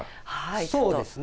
そうですね。